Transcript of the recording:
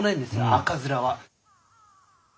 赤面は。